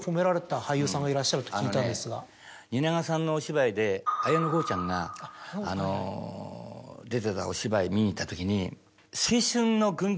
あのね蜷川さんのお芝居で綾野剛ちゃんがあの出てたお芝居見に行ったときに。